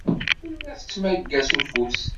Tella tettmagga s ufus.